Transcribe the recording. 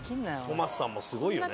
トマスさんもすごいよね。